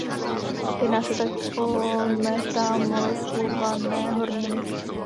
Jedná se tak o metamorfované horniny.